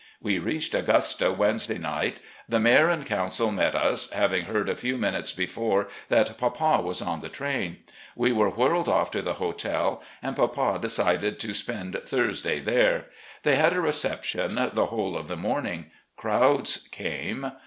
We reached Augusta Wednesday night. The mayor and council met us, having heard a few minutes before that papa was on the train. We were whirled off to the hotel, and papa decided to spend Thursday there. They had a reception the whole of THE SOUTHERN TRIP 393 the morning Crowds came.